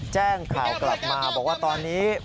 แจ้งข่าวกลับมาบอกว่าตอนนี้